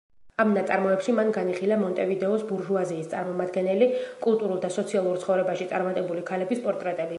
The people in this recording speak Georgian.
ამ ნაწარმოებში მან განიხილა მონტევიდეოს ბურჟუაზიის წარმომადგენელი, კულტურულ და სოციალურ ცხოვრებაში წარმატებული ქალების პორტრეტები.